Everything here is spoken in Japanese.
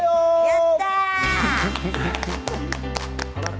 やったー！